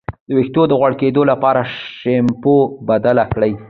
د ویښتو د غوړ کیدو لپاره شیمپو بدل کړئ